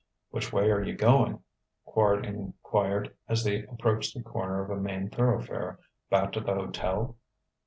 "Which way are you going?" Quard enquired as they approached the corner of a main thoroughfare. "Back to the hotel?"